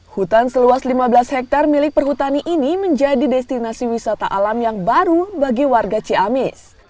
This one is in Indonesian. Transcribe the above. hutan seluas lima belas hektare milik perhutani ini menjadi destinasi wisata alam yang baru bagi warga ciamis